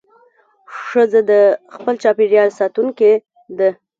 ښځه د خپل چاپېریال ساتونکې ده.